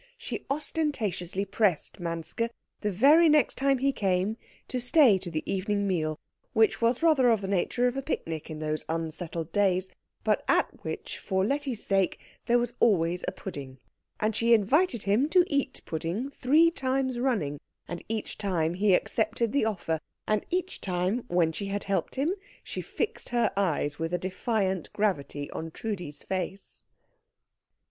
She ostentatiously pressed Manske, the very next time he came, to stay to the evening meal, which was rather of the nature of a picnic in those unsettled days, but at which, for Letty's sake, there was always a pudding; and she invited him to eat pudding three times running, and each time he accepted the offer; and each time, when she had helped him, she fixed her eyes with a defiant gravity on Trudi's face.